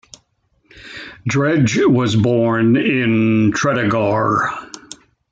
Dredge was born in Tredegar.